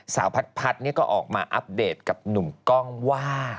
พัดก็ออกมาอัปเดตกับหนุ่มกล้องว่า